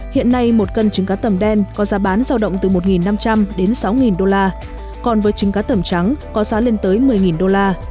hiện nay một cân trứng cá tầm đen có giá bán giao động từ một năm trăm linh đến sáu đô la còn với trứng cá tầm trắng có giá lên tới một mươi đô la